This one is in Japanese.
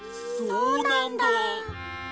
そうなんだ。